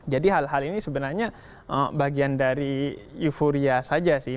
jadi hal hal ini sebenarnya bagian dari euforia saja sih